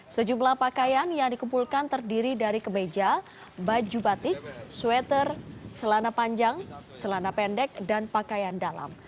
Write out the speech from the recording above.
sejumlah pakaian yang dikumpulkan terdiri dari kemeja baju batik sweater celana panjang celana pendek dan pakaian dalam